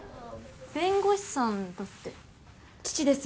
弁護士さんだって父です